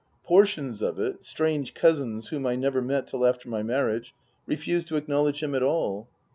Portions of it, strange cousins whom I never met till after my marriage, refused to acknowledge him at all.